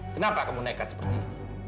kenapa kamu nekat seperti ini